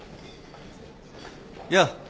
やあ。